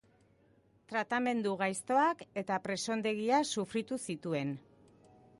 Tratamendu gaiztoak eta presondegia sufritu zituen.